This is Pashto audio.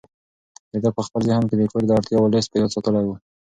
ده په خپل ذهن کې د کور د اړتیاوو لست په یاد ساتلی و.